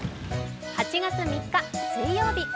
８月３日水曜日。